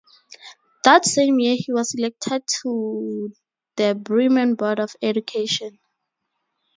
That same year he was elected to the Bremen Board of Education.